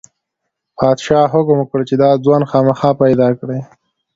پادشاه حکم وکړ چې دا ځوان خامخا پیدا کړئ.